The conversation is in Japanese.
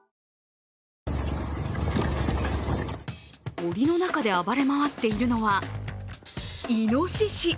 おりの中で暴れ回っているのはイノシシ。